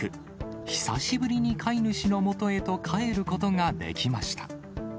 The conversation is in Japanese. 久しぶりに飼い主のもとへと帰ることができました。